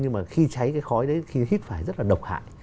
nhưng mà khi cháy cái khói đấy khi hít phải rất là độc hại